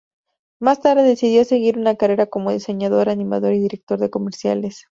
Más tarde decidió seguir una carrera como diseñador, animador y director de comerciales.